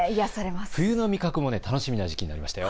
冬の味覚も楽しみな時期になりましたよ。